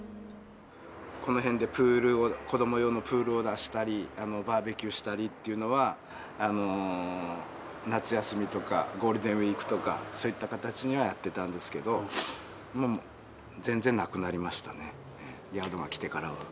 この辺でプールを、子ども用のプールを出したり、バーベキューしたりっていうのは、夏休みとかゴールデンウィークとか、そういった形にはやってたんですけど、もう全然なくなりましたね、ヤードが来てからは。